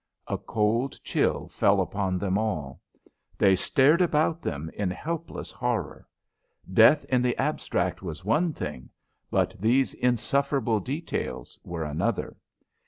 A cold chill fell upon them all. They stared about them in helpless horror. Death in the abstract was one thing, but these insufferable details were another.